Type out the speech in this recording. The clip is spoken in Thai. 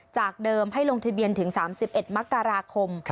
จากเดิมให้ลงทะเบียนถึง๓๑มกราคม